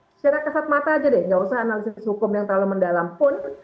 nah secara kesat mata aja deh nggak usah analisis hukum yang terlalu mendalam pun